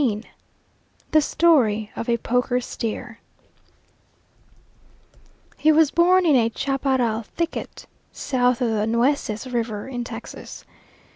XIV THE STORY OF A POKER STEER He was born in a chaparral thicket, south of the Nueces River in Texas.